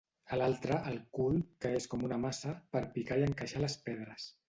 A l'altre, el cul, que és com una maça, per picar i encaixar les pedres.